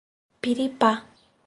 Piripá